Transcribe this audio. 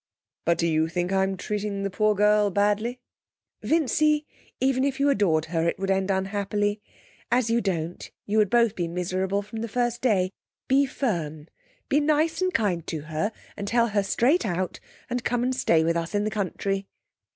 'But do you think I'm treating the poor girl badly?' 'Vincy, even if you adored her it would end unhappily. As you don't, you would both be miserable from the first day. Be firm. Be nice and kind to her and tell her straight out, and come and stay with us in the country.'